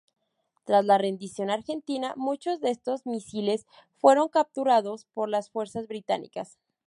Tras la rendición argentina muchos de estos misiles fueron capturados por las fuerzas británicas.